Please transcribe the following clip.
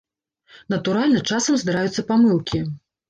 Натуральна, часам здараюцца памылкі.